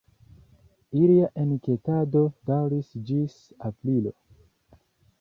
Ilia enketado daŭris ĝis aprilo.